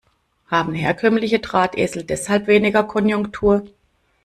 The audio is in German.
Haben herkömmliche Drahtesel deshalb weniger Konjunktur?